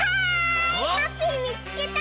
ハッピーみつけた！